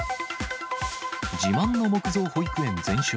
自慢の木造保育園全焼。